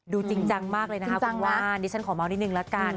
จริงจังมากเลยนะคะคุณว่านดิฉันขอเมาส์นิดนึงละกัน